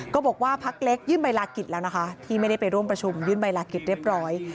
ก็บอกว่าพักเล็กยื่นใบลากิจแล้วนะคะที่ไม่ได้ไปร่วมประชุมยื่นใบลากิจเรียบร้อย